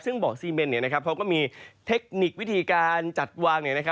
ซึ่งบอกซีเมนเขาก็มีเทคนิควิธีการจัดวาง